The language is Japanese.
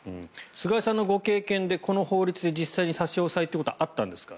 菅井さんのご経験でこの法律で実際に差し押さえというのはあったんですか？